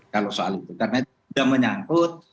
kalau soal itu karena itu sudah menyangkut